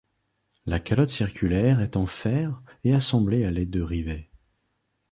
La calotte circulaire est en fer et assemblée à l'aide de rivets.